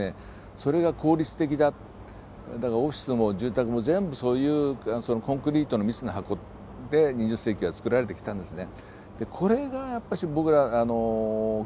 それが効率的だだからオフィスも住宅も全部そういうコンクリートの密な箱で２０世紀はつくられてきたんですね